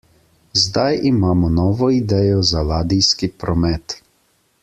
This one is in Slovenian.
Zdaj imamo novo idejo za ladijski promet.